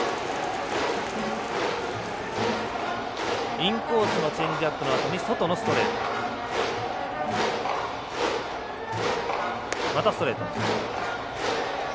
インコースのチェンジアップのあとに外のストレート。